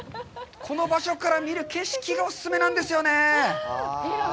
この場所から見る景色がお勧めなんですよね。